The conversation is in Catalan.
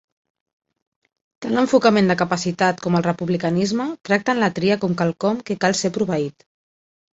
Tant l'enfocament de capacitat com el republicanisme tracten la tria com quelcom que cal ser proveït.